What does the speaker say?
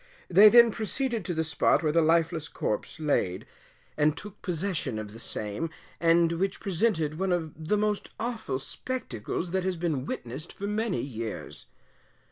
They then proceeded to the spot where the lifeless corpse laid, and took possession of the same, and which presented one of the most awful spectacles that has been witnessed for many years.